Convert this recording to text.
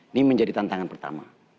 ini menjadi tantangan pertama